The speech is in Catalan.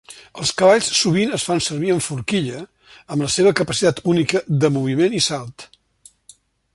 Els cavalls sovint es fan servir en forquilla, amb la seva capacitat única de moviment i salt.